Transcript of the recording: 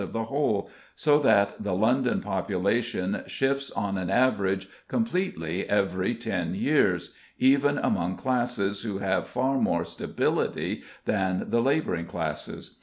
of the whole, so that the London population shifts on an average completely every ten years, even among classes who have far more stability than the labouring classes.